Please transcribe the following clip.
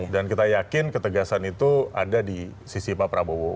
dan kita yakin ketegasan itu ada di sisi pak prabowo